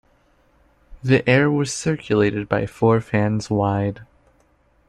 The air was circulated by four fans wide.